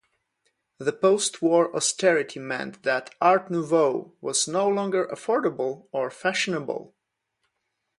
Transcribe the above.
The post-war austerity meant that Art Nouveau was no longer affordable or fashionable.